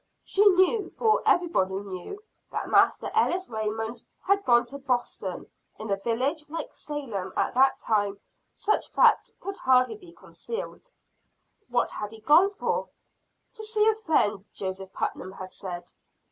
She knew, for everybody knew, that Master Ellis Raymond had gone to Boston. In a village like Salem at that time, such fact could hardly be concealed. "What had he gone for? "To see a friend," Joseph Putnam had said.